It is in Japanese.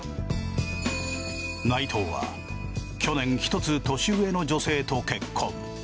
内藤は去年１つ年上の女性と結婚。